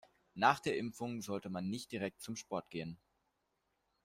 Nach der Impfung sollte man nicht direkt zum Sport gehen.